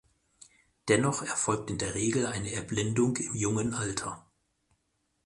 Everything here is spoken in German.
Dennoch erfolgt in der Regel eine Erblindung im jungen Alter.